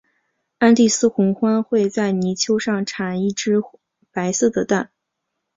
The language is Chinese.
安第斯红鹳会在泥丘上产一只白色的蛋。